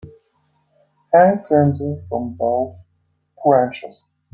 Hang tinsel from both branches.